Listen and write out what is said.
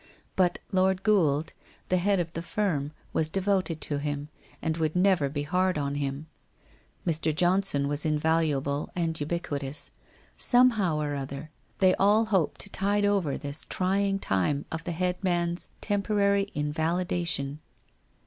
But Lord Gould, the head of the firm, was devoted to him, and would .never be hard on him. Mr. Johnson was invaluable and ubiquitous. Somehow or other, they all hoped to tide over this trying time of the head man's temporary invalidation.